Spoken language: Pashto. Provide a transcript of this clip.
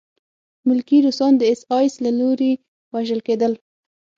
ملکي روسان د اېس ایس له لوري وژل کېدل